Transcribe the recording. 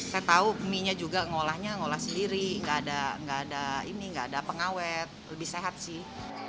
saya tahu mie nya juga ngolahnya ngolah sendiri nggak ada pengawet lebih sehat sih